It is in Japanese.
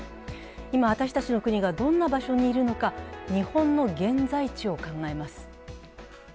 今、私たちの国がどんな場所にいるのか日本の現在地を考えます。